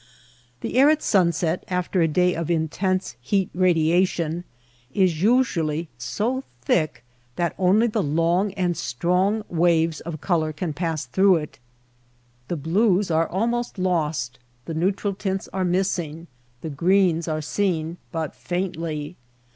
The air at sunset after a day of intense heat radiation is usually so thick that only the long and strong waves of color can pass through it. The blues are al most lost, the neutral tints are missing, the greens are seen but faintly.